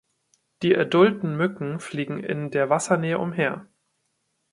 Die adulten Mücken fliegen in der Wassernähe umher.